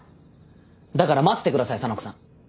だから待ってて下さい沙名子さん。